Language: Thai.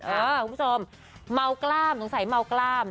คุณผู้ชมเมากล้ามสงสัยเมากล้าม